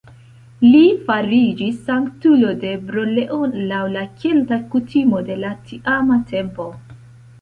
Li fariĝis sanktulo de Bro-Leon laŭ la kelta kutimo de la tiama tempo.